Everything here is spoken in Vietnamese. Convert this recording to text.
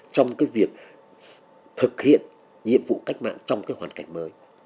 trong cái việc thực hiện nhiệm vụ cách mạng trong cái hoàn cảnh mới